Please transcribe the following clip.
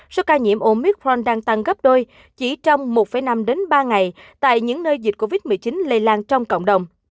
số ca nhiễm omit fren đang tăng gấp đôi chỉ trong một năm đến ba ngày tại những nơi dịch covid một mươi chín lây lan trong cộng đồng